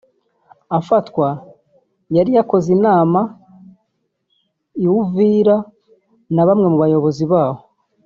Afatwa yari yakoze inama i Uvira na bamwe mu bayobozi baho